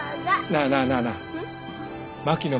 なあなあなあなあ槙野